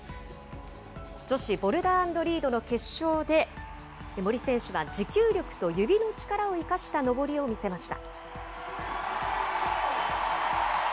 女子ボルダー＆リードの決勝で、森選手は持久力と指の力を生かした登りを見せました。